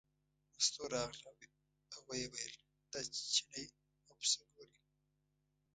مستو راغله او ویې ویل دا چینی او پسه ګورې.